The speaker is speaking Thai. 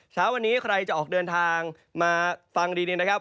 เช้าวันนี้ใครจะออกเดินทางมาฟังดีเนี่ยนะครับ